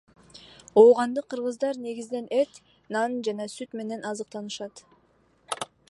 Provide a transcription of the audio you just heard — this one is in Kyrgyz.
Оогандык кыргыздар негизинен эт, нан жана сүт менен азыктанышат.